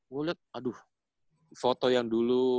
gue liat aduh foto yang dulu